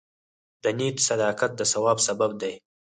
د نیت صداقت د ثواب سبب دی.